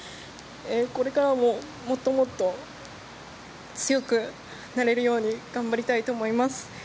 これからももっともっと強くなれるように頑張りたいと思います。